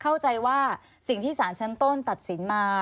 เข้าใจว่าสิ่งที่ศาลชั้นต้นตัดสินมา